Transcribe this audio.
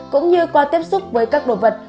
cũng như qua tiếp xúc với các đồ vật